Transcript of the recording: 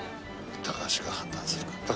高橋が判断するから。